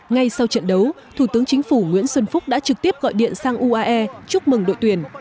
ngay sau trận đấu thủ tướng chính phủ nguyễn xuân phúc đã trực tiếp gọi điện sang uae chúc mừng đội tuyển